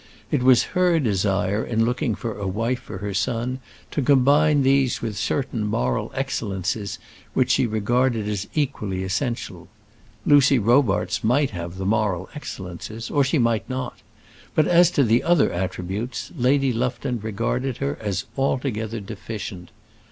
It was her desire in looking for a wife for her son to combine these with certain moral excellences which she regarded as equally essential. Lucy Robarts might have the moral excellences, or she might not; but as to the other attributes Lady Lufton regarded her as altogether deficient.